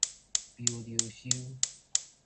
彪溜 siu